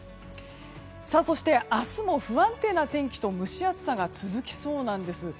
そして、明日も不安定な天気と蒸し暑さが続きそうなんです。